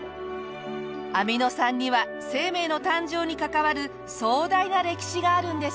アミノ酸には生命の誕生に関わる壮大な歴史があるんですね。